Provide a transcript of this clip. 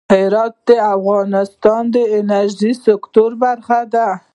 هرات د افغانستان د انرژۍ سکتور برخه ده.